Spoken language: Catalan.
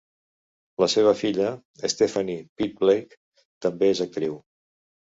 La seva filla, Steffanie Pitt-Blake, també és actriu.